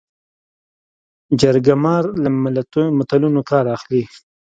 جرګه مار له متلونو کار اخلي